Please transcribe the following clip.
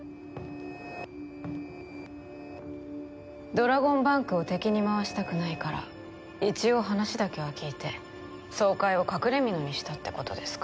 ドラゴンバンクを敵に回したくないから一応話だけは聞いて総会を隠れ蓑にしたってことですか？